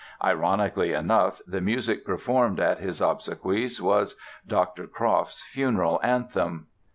Ironically enough, the music performed at his obsequies was "Dr. Croft's Funeral Anthem."